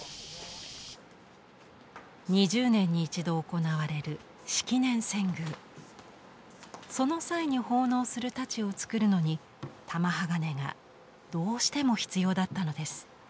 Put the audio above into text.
２０年に一度行われるその際に奉納する太刀をつくるのに玉鋼がどうしても必要だったのです。